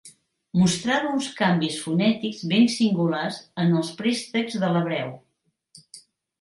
Mostrava uns canvis fonètics ben singulars en els préstecs de l'hebreu.